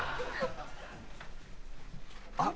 あっ。